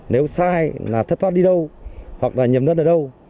nếu sai là thất thoát đi đâu hoặc là nhầm lẫn ở đâu